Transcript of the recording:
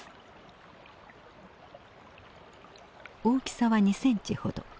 大きさは２ｃｍほど。